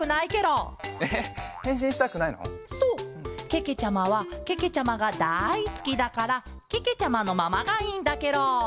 けけちゃまはけけちゃまがだいすきだからけけちゃまのままがいいんだケロ。